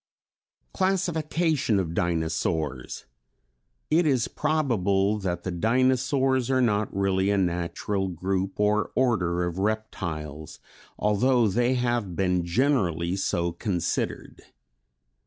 Classification of Dinosaurs. It is probable that the Dinosaurs are not really a natural group or order of reptiles, although they have been generally so considered.